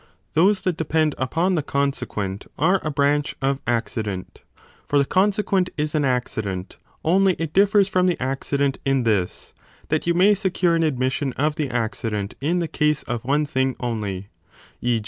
Those that depend upon the consequent are a branch of Accident : for the consequent is an accident, only it differs from the accident in this, that you may secure an admission of the accident in the case of one thing only (e.